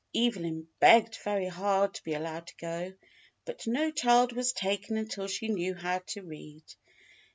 Evelyn begged very hard to be allowed to go, but no child was taken until she knew how to read.